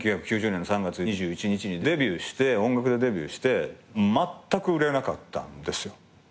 １９９０年の３月２１日に音楽でデビューしてまったく売れなかったんですよ。